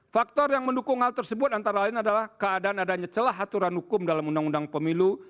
faktor yang mendukung hal tersebut antara lain adalah keadaan adanya celah aturan hukum dalam undang undang pemilu